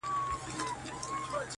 • له ښكارونو به يې اخيستل خوندونه,